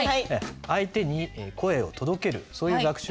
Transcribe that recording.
相手に声を届けるそういう学習です。